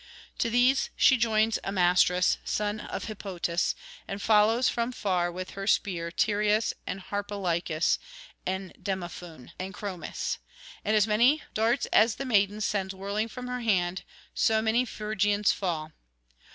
To these she joins Amastrus, son of Hippotas, and follows from far with her spear Tereus and Harpalycus and Demophoön and Chromis: and as many darts as the maiden sends whirling from her hand, so many Phrygians fall.